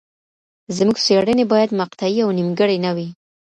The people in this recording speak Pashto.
زموږ څېړني باید مقطعي او نیمګړي نه وي.